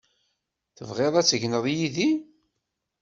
Tebɣiḍ ad tegneḍ yid-i?